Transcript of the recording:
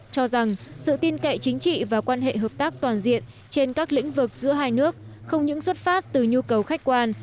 cho rằng sự tin cậy chính trị và quan hệ hợp tác toàn diện trên các lĩnh vực giữa hai nước không những xuất phát từ nhu cầu khách quan